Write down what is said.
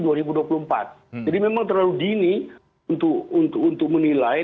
jadi memang terlalu dini untuk menilai